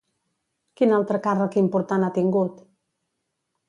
Quin altre càrrec important ha tingut?